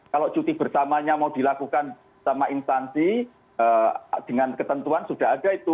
kalau cuti bersamanya mau dilakukan sama instansi dengan ketentuan sudah ada itu